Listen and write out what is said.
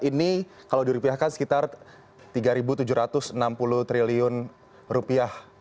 ini kalau dirupiahkan sekitar tiga tujuh ratus enam puluh triliun rupiah